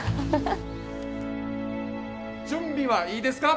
準備はいいですか？